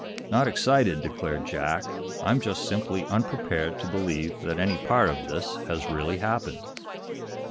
"Not excited," declared Jack. "I'm just simply unprepared to believe that any part of this has really happened."